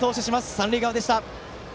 三塁側でした。